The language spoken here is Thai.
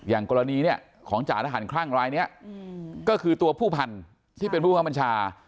อย่างกรณีเนี่ยของจ่าทหารคลั่งรายนี้ก็คือตัวผู้พันธุ์ที่เป็นผู้บังคับบัญชา